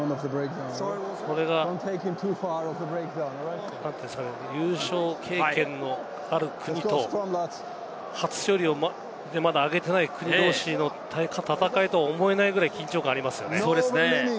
これが優勝経験のある国と初勝利を挙げていない国同士の戦いとは思えないくらい緊張感がありますね。